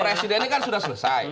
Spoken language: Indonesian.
presidennya kan sudah selesai